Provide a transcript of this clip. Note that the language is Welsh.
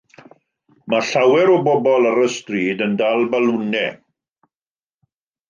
Mae llawer o bobl ar y stryd yn dal balwnau.